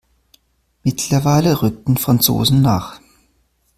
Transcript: Mittlerweile rückten Franzosen nach.